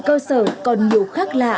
cơ sở còn nhiều khác lạ